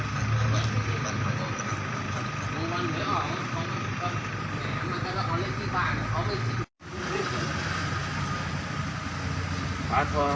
พุทธภารกิจแยกทุกวันเท่โรงแรมในแรมทางว่าเรียกสังคราม